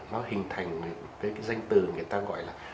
nó hình thành cái danh từ người ta gọi là